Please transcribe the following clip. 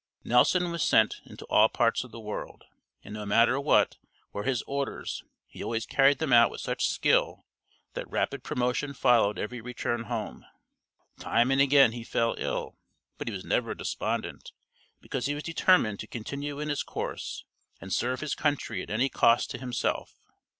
Nelson was sent into all parts of the world, and no matter what were his orders he always carried them out with such skill that rapid promotion followed every return home. Time and again he fell ill, but he was never despondent, because he was determined to continue in his course and serve his country at any cost to himself.